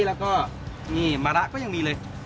แล้วก็นี่มะระก็ยังมีเลย